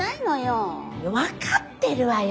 分かってるわよ。